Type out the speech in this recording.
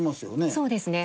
そうですね。